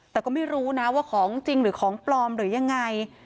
แต่ก็ไม่รู้นะว่าของจริงหรือของปลอมหรือยังไง